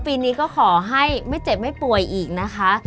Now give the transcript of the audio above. ปีนี้ก็ขอให้ไม่เจ็บไม่ป่วยอีกนะคะ